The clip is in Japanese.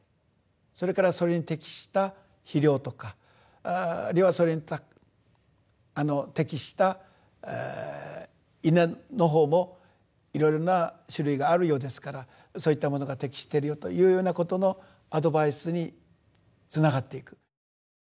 それからそれに適した肥料とかあるいはそれに適した稲の方もいろいろな種類があるようですからそういったものが適してるよというようなことのアドバイスにつながっていく。